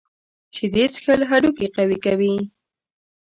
شیدې څښل هډوکي قوي کوي.